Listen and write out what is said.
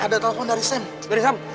ada telepon dari sam